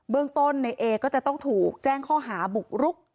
เรื่องต้นในเอก็จะต้องถูกแจ้งข้อหาบุกรุก